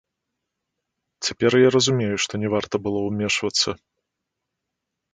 Цяпер я разумею, што не варта было ўмешвацца.